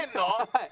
はい。